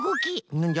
なんじゃ？